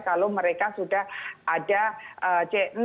kalau mereka sudah ada c enam